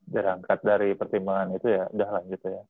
dirangkat dari pertimbangan itu ya udah lanjut ya